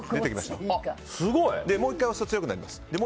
もう１回押すと強くなります